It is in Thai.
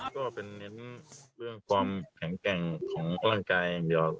ก็เป็นเน้นเรื่องความแข็งแกร่งของร่างกายอย่างเดียว